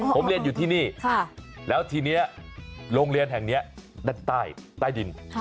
ผมเรียนอยู่ที่นี่แล้วทีนี้โรงเรียนแห่งนี้ด้านใต้ดิน